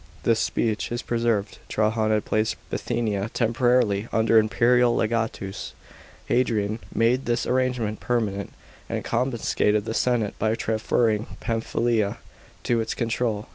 * This speech is preserved. Trajan had placed Bithynia temporarily under an imperial legatus ; Hadrian made this arrangement permanent, and compensated the senate by transferring PamphyLa to its control.